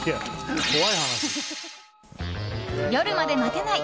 夜まで待てない！